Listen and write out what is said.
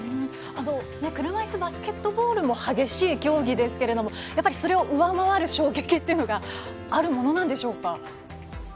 車いすバスケットボールも激しい競技ですが、それを上回る衝撃というのがあるものなんでしょうか。